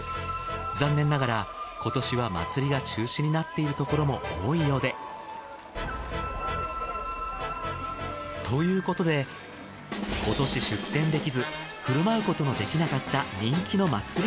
残念ながら今年は祭りが中止になっているところも多いようで。ということで今年出店できず振る舞うことのできなかった人気の祭り